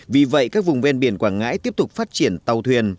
vì vậy các vùng ven biển quảng ngãi tiếp tục phát triển tàu thuyền